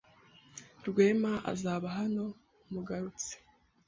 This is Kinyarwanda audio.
Rwema azaba hano mugarutse.